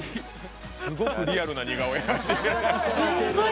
すごくリアルな似顔絵。